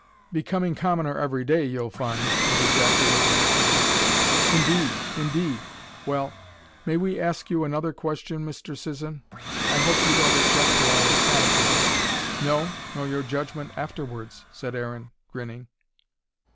"Becoming commoner every day, you'll find," interjaculated the Colonel. "Indeed! Indeed! Well. May we ask you another question, Mr. Sisson? I hope you don't object to our catechism?" "No. Nor your judgment afterwards," said Aaron, grinning.